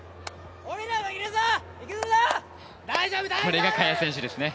これが萱選手ですね。